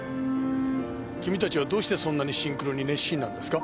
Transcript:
君たちはどうしてそんなにシンクロに熱心なんですか？